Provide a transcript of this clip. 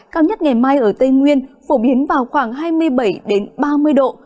cao nhất ngày mai ở tây nguyên phổ biến vào khoảng hai mươi bảy ba mươi độ